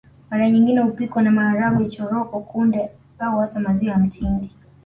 Mara nyingine hupikwa na maharage choroko kunde au hata maziwa ya mtindi